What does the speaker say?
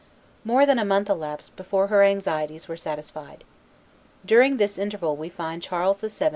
More than a month elapsed before her anxieties were satisfied. During this interval we find Charles VII.